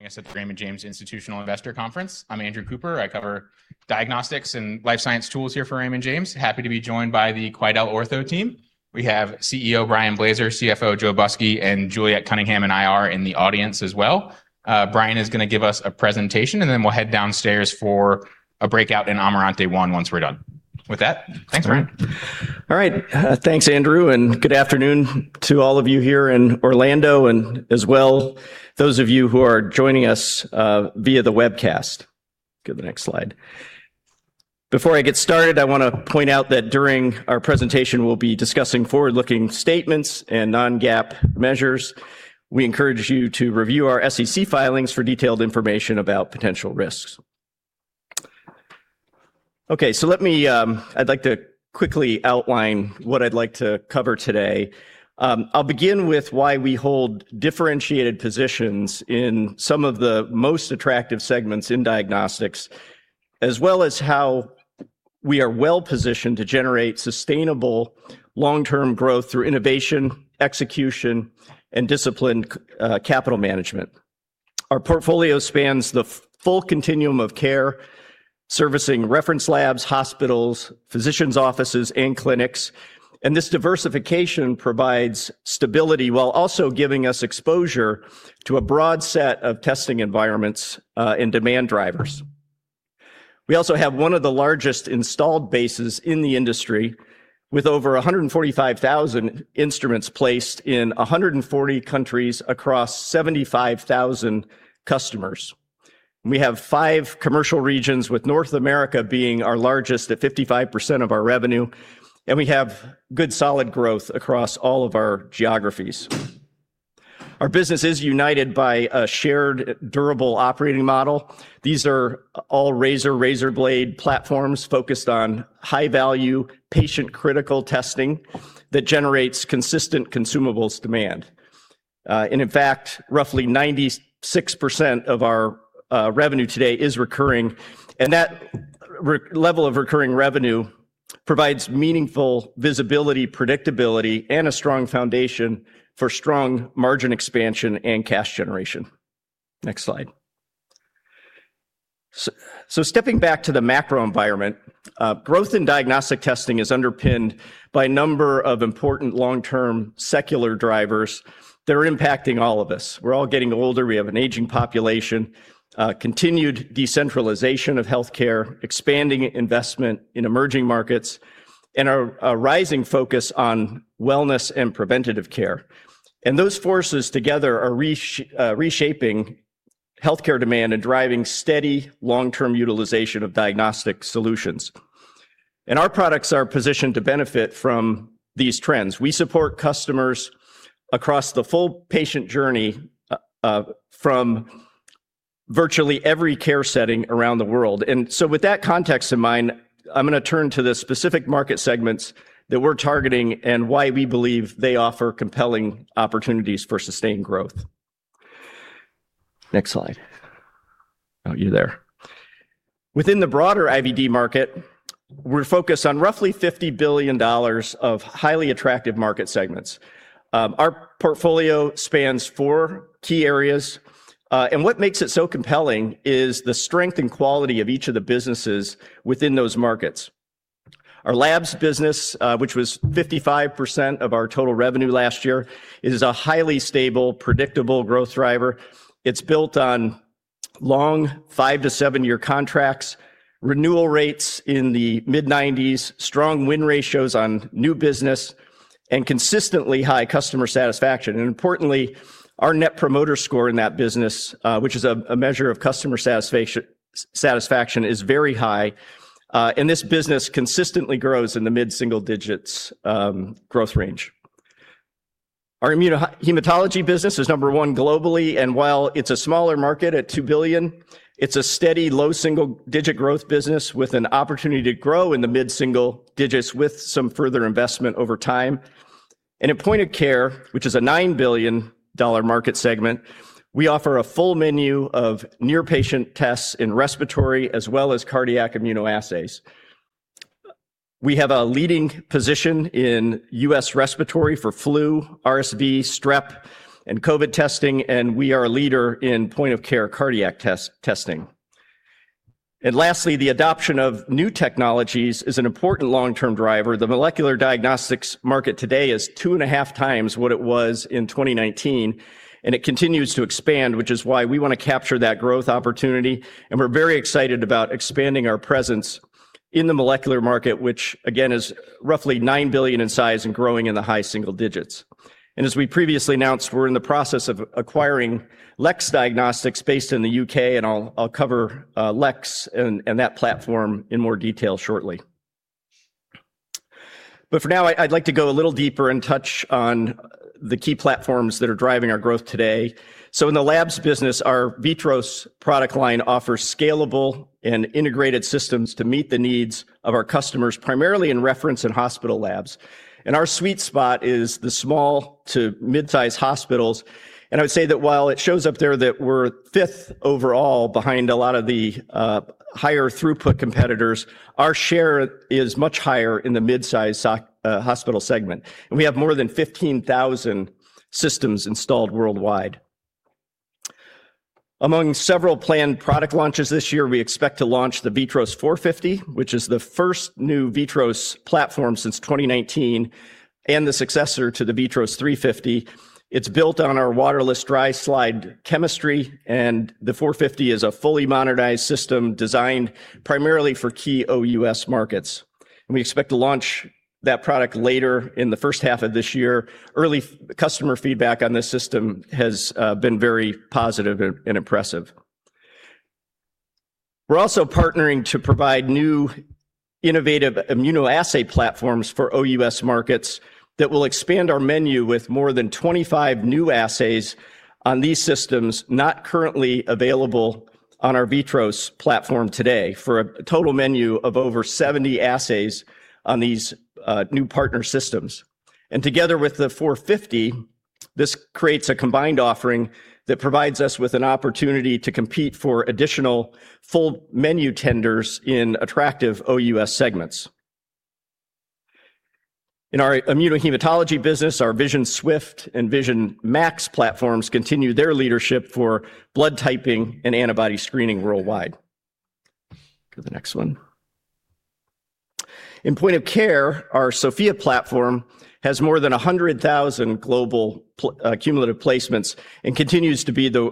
It's at the Raymond James Institutional Investor Conference. I'm Andrew Cooper. I cover diagnostics and life science tools here for Raymond James. Happy to be joined by the QuidelOrtho team. We have CEO Brian Blaser, CFO Joe Busky, and Juliet Cunningham and I are in the audience as well. Brian is gonna give us a presentation, and then we'll head downstairs for a breakout in Amarante One once we're done. With that, thanks, Brian. All right. Thanks, Andrew, and good afternoon to all of you here in Orlando and as well those of you who are joining us via the webcast. Go to the next slide. Before I get started, I wanna point out that during our presentation, we'll be discussing forward-looking statements and non-GAAP measures. We encourage you to review our SEC filings for detailed information about potential risks. I'd like to quickly outline what I'd like to cover today. I'll begin with why we hold differentiated positions in some of the most attractive segments in diagnostics, as well as how we are well-positioned to generate sustainable long-term growth through innovation, execution, and disciplined capital management. Our portfolio spans the full continuum of care, servicing reference labs, hospitals, physicians' offices, and clinics. This diversification provides stability while also giving us exposure to a broad set of testing environments and demand drivers. We also have one of the largest installed bases in the industry with over 145,000 instruments placed in 140 countries across 75,000 customers. We have five commercial regions, with North America being our largest at 55% of our revenue, and we have good solid growth across all of our geographies. Our business is united by a shared durable operating model. These are all razor blade platforms focused on high-value patient-critical testing that generates consistent consumables demand. In fact, roughly 96% of our revenue today is recurring, and that level of recurring revenue provides meaningful visibility, predictability, and a strong foundation for strong margin expansion and cash generation. Next slide. Stepping back to the macro environment, growth in diagnostic testing is underpinned by a number of important long-term secular drivers that are impacting all of us. We're all getting older. We have an aging population, continued decentralization of healthcare, expanding investment in emerging markets, and a rising focus on wellness and preventative care. Those forces together are reshaping healthcare demand and driving steady long-term utilization of diagnostic solutions. Our products are positioned to benefit from these trends. We support customers across the full patient journey, from virtually every care setting around the world. With that context in mind, I'm gonna turn to the specific market segments that we're targeting and why we believe they offer compelling opportunities for sustained growth. Next slide. Oh, you're there. Within the broader IVD market, we're focused on roughly $50 billion of highly attractive market segments. Our portfolio spans four key areas, and what makes it so compelling is the strength and quality of each of the businesses within those markets. Our labs business, which was 55% of our total revenue last year, is a highly stable, predictable growth driver. It's built on long 5-7-year contracts, renewal rates in the mid-nineties, strong win ratios on new business, and consistently high customer satisfaction. Importantly, our Net Promoter Score in that business, which is a measure of customer satisfaction, is very high, and this business consistently grows in the mid-single digits growth range. Our immunohematology business is number one globally, while it's a smaller market at $2 billion, it's a steady low single-digit growth business with an opportunity to grow in the mid-single digits with some further investment over time. In point of care, which is a $9 billion market segment, we offer a full menu of near-patient tests in respiratory as well as cardiac immunoassays. We have a leading position in U.S. respiratory for flu, RSV, strep, and COVID testing, we are a leader in point-of-care cardiac testing. Lastly, the adoption of new technologies is an important long-term driver. The molecular diagnostics market today is 2.5x what it was in 2019. It continues to expand, which is why we wanna capture that growth opportunity. We're very excited about expanding our presence in the molecular market, which again, is roughly $9 billion in size and growing in the high single digits. As we previously announced, we're in the process of acquiring Lex Diagnostics based in the U.K., and I'll cover Lex and that platform in more detail shortly. For now, I'd like to go a little deeper and touch on the key platforms that are driving our growth today. In the labs business, our VITROS product line offers scalable and integrated systems to meet the needs of our customers, primarily in reference in hospital labs. Our sweet spot is the small to mid-size hospitals, and I would say that while it shows up there that we're fifth overall behind a lot of the higher throughput competitors, our share is much higher in the mid-size hospital segment. We have more than 15,000 systems installed worldwide. Among several planned product launches this year, we expect to launch the VITROS 450, which is the first new VITROS platform since 2019 and the successor to the VITROS 350. It's built on our waterless dry slide chemistry, and the 450 is a fully modernized system designed primarily for key OUS markets. We expect to launch that product later in the first half of this year. Early customer feedback on this system has been very positive and impressive. We're also partnering to provide new innovative immunoassay platforms for OUS markets that will expand our menu with more than 25 new assays on these systems not currently available on our VITROS platform today for a total menu of over 70 assays on these new partner systems. Together with the 450, this creates a combined offering that provides us with an opportunity to compete for additional full menu tenders in attractive OUS segments. In our immunohematology business, our Vision Swift and Vision MAX platforms continue their leadership for blood typing and antibody screening worldwide. Go to the next one. In point of care, our Sofia platform has more than 100,000 global cumulative placements and continues to be the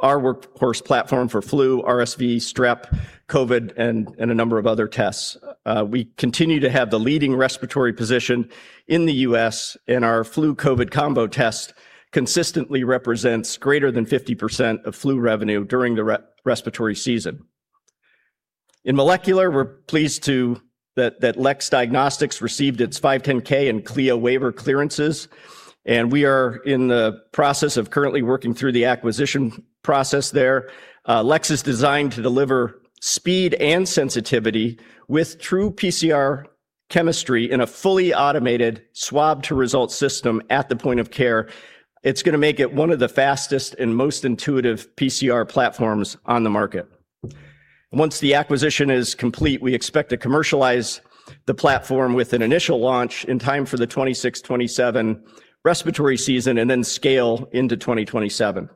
our workhorse platform for flu, RSV, strep, COVID, and a number of other tests. We continue to have the leading respiratory position in the U.S., and our Flu COVID combo test consistently represents greater than 50% of flu revenue during the respiratory season. In molecular, we're pleased that Lex Diagnostics received its 510(k) and CLIA waiver clearances, we are in the process of currently working through the acquisition process there. Lex is designed to deliver speed and sensitivity with true PCR chemistry in a fully automated swab-to-result system at the point of care. It's gonna make it one of the fastest and most intuitive PCR platforms on the market. Once the acquisition is complete, we expect to commercialize the platform with an initial launch in time for the 2026, 2027 respiratory season then scale into 2027.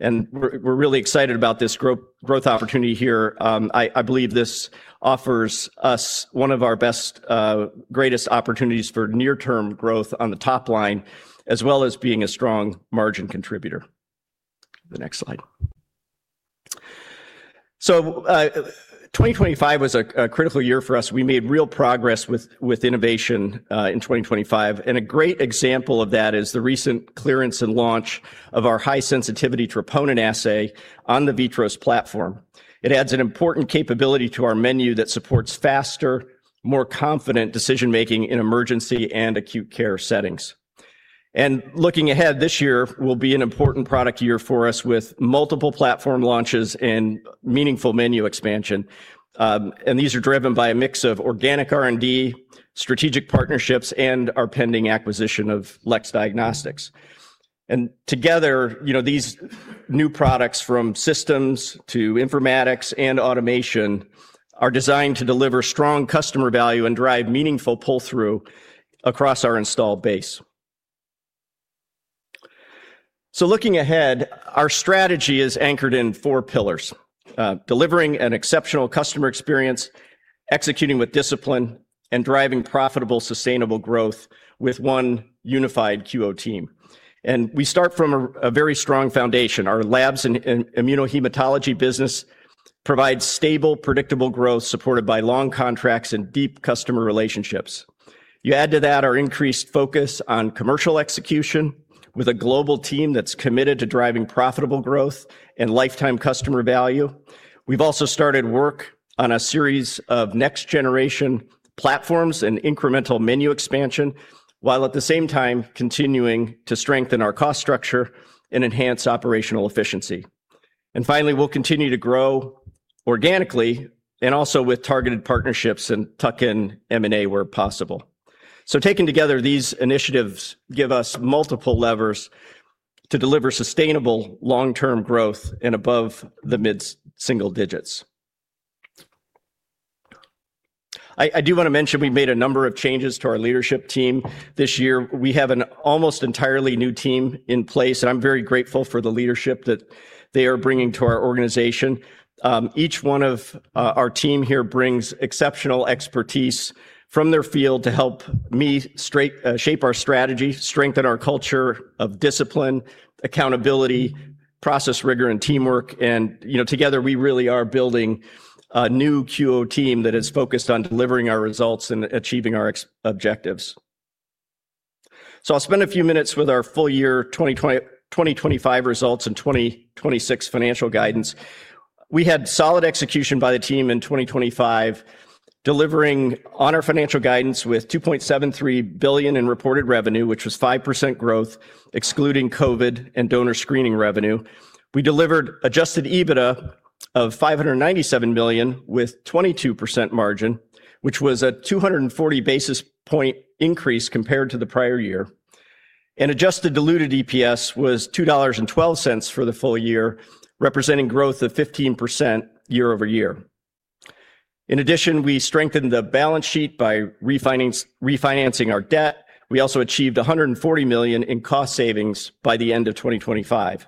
We're really excited about this growth opportunity here. I believe this offers us one of our best, greatest opportunities for near-term growth on the top line as well as being a strong margin contributor. The next slide. 2025 was a critical year for us. We made real progress with innovation in 2025, and a great example of that is the recent clearance and launch of our High-Sensitivity Troponin Assay on the VITROS platform. It adds an important capability to our menu that supports faster, more confident decision-making in emergency and acute care settings. Looking ahead, this year will be an important product year for us with multiple platform launches and meaningful menu expansion. These are driven by a mix of organic R&D, strategic partnerships, and our pending acquisition of Lex Diagnostics. Together, you know, these new products from systems to informatics and automation are designed to deliver strong customer value and drive meaningful pull-through across our installed base. Looking ahead, our strategy is anchored in four pillars: delivering an exceptional customer experience, executing with discipline, and driving profitable, sustainable growth with one unified QO team. We start from a very strong foundation. Our labs and immunohematology business provide stable, predictable growth supported by long contracts and deep customer relationships. You add to that our increased focus on commercial execution with a global team that's committed to driving profitable growth and lifetime customer value. We've also started work on a series of next-generation platforms and incremental menu expansion, while at the same time continuing to strengthen our cost structure and enhance operational efficiency. Finally, we'll continue to grow organically and also with targeted partnerships and tuck-in M&A where possible. Taken together, these initiatives give us multiple levers to deliver sustainable long-term growth and above the mid-single digits. I do wanna mention we've made a number of changes to our leadership team this year. We have an almost entirely new team in place, and I'm very grateful for the leadership that they are bringing to our organization. Each one of our team here brings exceptional expertise from their field to help me shape our strategy, strengthen our culture of discipline, accountability, process rigor, and teamwork. You know, together, we really are building a new QO team that is focused on delivering our results and achieving our objectives. I'll spend a few minutes with our full year 2025 results and 2026 financial guidance. We had solid execution by the team in 2025, delivering on our financial guidance with $2.73 billion in reported revenue, which was 5% growth excluding COVID and donor screening revenue. We delivered adjusted EBITDA of $597 million with 22% margin, which was a 240 basis point increase compared to the prior year. Adjusted diluted EPS was $2.12 for the full year, representing growth of 15% year-over-year. In addition, we strengthened the balance sheet by refinancing our debt. We also achieved $140 million in cost savings by the end of 2025.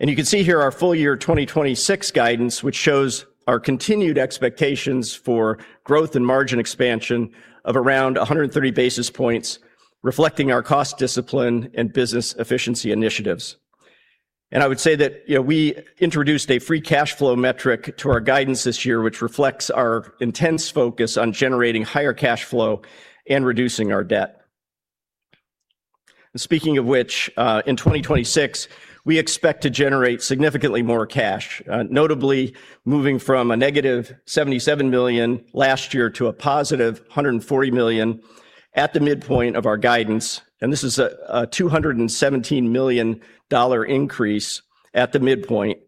You can see here our full year 2026 guidance, which shows our continued expectations for growth and margin expansion of around 130 basis points, reflecting our cost discipline and business efficiency initiatives. I would say that, you know, we introduced a free cash flow metric to our guidance this year, which reflects our intense focus on generating higher cash flow and reducing our debt. Speaking of which, in 2026, we expect to generate significantly more cash, notably moving from -$77 million last year to +$140 million at the midpoint of our guidance. This is a $217 million increase at the midpoint.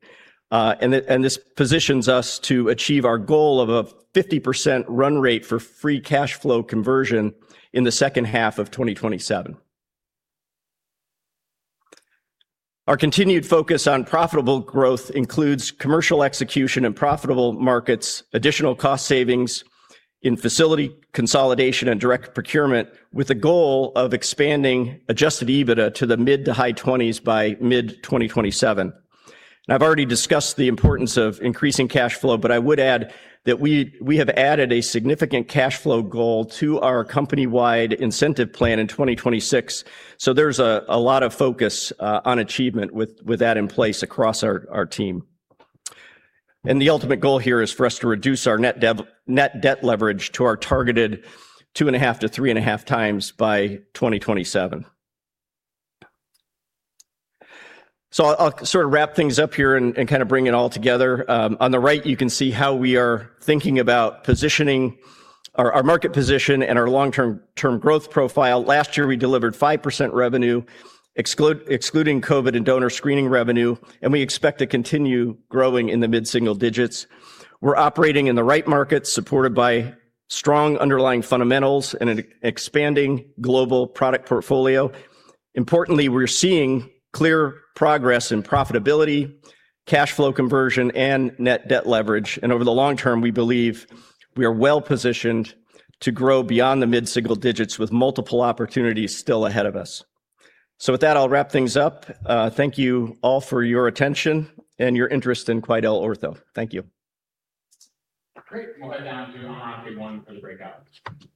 This positions us to achieve our goal of a 50% run rate for free cash flow conversion in the second half of 2027. Our continued focus on profitable growth includes commercial execution in profitable markets, additional cost savings in facility consolidation and direct procurement, with the goal of expanding adjusted EBITDA to the mid to high twenties by mid-2027. I've already discussed the importance of increasing cash flow, but I would add that we have added a significant cash flow goal to our company-wide incentive plan in 2026. There's a lot of focus on achievement with that in place across our team. The ultimate goal here is for us to reduce our net debt leverage to our targeted 2.5x-3.5x by 2027. I'll sort of wrap things up here and kind of bring it all together. On the right you can see how we are thinking about positioning our market position and our long term growth profile. Last year, we delivered 5% revenue, excluding COVID and donor screening revenue, and we expect to continue growing in the mid-single digits. We're operating in the right markets, supported by strong underlying fundamentals and an expanding global product portfolio. Importantly, we're seeing clear progress in profitability, cash flow conversion and net debt leverage. Over the long term, we believe we are well-positioned to grow beyond the mid-single digits with multiple opportunities still ahead of us. With that, I'll wrap things up. Thank you all for your attention and your interest in QuidelOrtho. Thank you. Great. We'll head down to Amarante One for the breakout. Thank you.